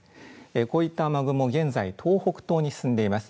こういった雨雲、現在、東北東に進んでいます。